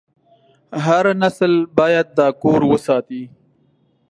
هر نسل باید دا کور وساتي.